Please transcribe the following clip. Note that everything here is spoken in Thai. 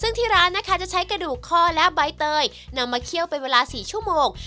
ซึ่งที่ร้านนะคะจะใช้กระดูกคอและใบเตยนำมาเคี่ยวเป็นเวลา๔ชั่วโมง